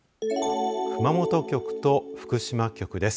熊本局と福島局です。